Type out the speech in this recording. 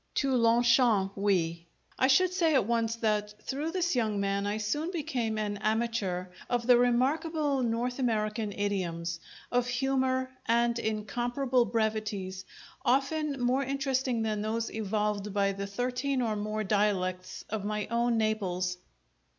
To Longchamps we!" I should say at once that through this young man I soon became an amateur of the remarkable North American idioms, of humour and incomparable brevities often more interesting than those evolved by the thirteen or more dialects of my own Naples.